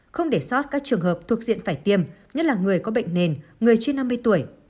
không để sót các trường hợp thuộc diện phải tiêm nhất là người có bệnh nền người trên năm mươi tuổi